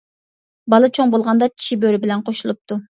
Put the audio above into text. بالا چوڭ بولغاندا چىشى بۆرە بىلەن قوشۇلۇپتۇ.